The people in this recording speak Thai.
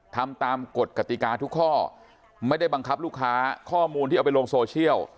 ทำตามกฎกติกาทุกข้อไม่ได้บังคับลูกค้าข้อมูลที่เอาไปลงโซเชียล